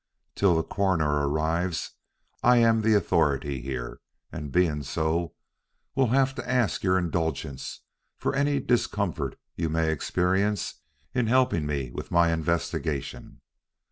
Till the Coroner arrives, I am in authority here, and being so, will have to ask your indulgence for any discomfort you may experience in helping me with my investigation.